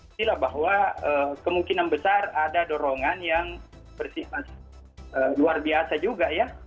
inilah bahwa kemungkinan besar ada dorongan yang bersifat luar biasa juga ya